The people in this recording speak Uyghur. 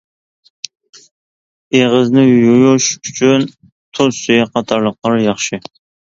ئېغىزنى يۇيۇش ئۈچۈن تۇز سۈيى قاتارلىقلار ياخشى.